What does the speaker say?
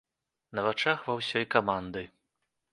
На вачах ва ўсёй каманды.